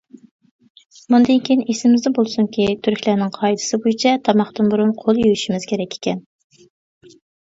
مۇندىن كېيىن ئېسىمىزدە بولسۇنكى تۈركلەرنىڭ قائىدىسى بويىچە تاماقتىن بۇرۇن قول يۇيۇشىمىز كېرەك ئىكەن.